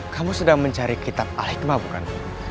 kamu sedang mencari kitab al hikmah bukan